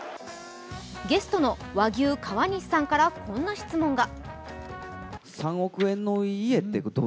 ゲストの和牛・川西さんからこんな質問が。